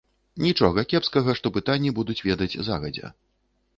Нічога кепскага, што пытанні будуць ведаць загадзя.